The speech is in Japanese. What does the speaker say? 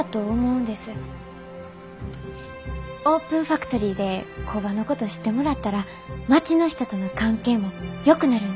オープンファクトリーで工場のこと知ってもらったら町の人との関係もよくなるんちゃうかなって。